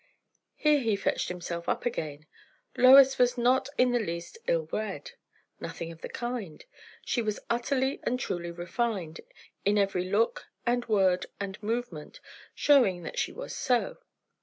Here he fetched himself up again. Lois was not in the least ill bred. Nothing of the kind. She was utterly and truly refined, in every look and word and movement showing that she was so.